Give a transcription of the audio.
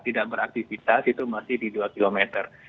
tidak beraktivitas itu masih di dua kilometer